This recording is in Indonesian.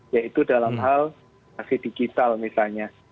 yaitu dalam hal masih digital misalnya